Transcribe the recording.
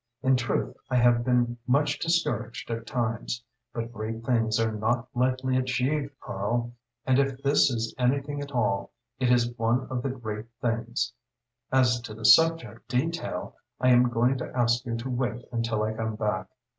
In truth I have been much discouraged at times. But great things are not lightly achieved, Karl, and if this is anything at all, it is one of the great things. As to the subject, detail, I am going to ask you to wait until I come back.